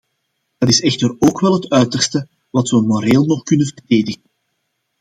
Dat is echter ook wel het uiterste wat we moreel nog kunnen verdedigen.